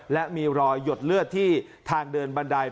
และมีรอยหยดเลือดที่ทางเดินบันได